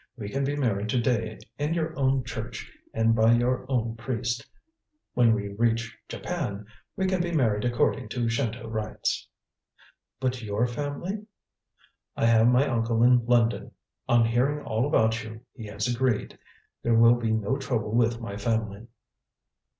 We can be married to day in your own church and by your own priest. When we reach Japan we can be married according to Shinto rites." "But your family?" "I have my uncle in London. On hearing all about you, he has agreed. There will be no trouble with my family."